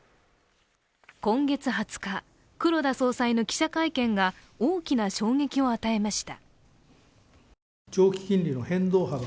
今月２０日、黒田総裁の記者会見が大きな衝撃を与えました。